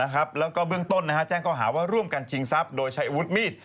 แล้วก็เบื้องต้นแจ้งข้อหาว่าร่วมกันชิงทรัพย์โดยใช้อาวุธมีด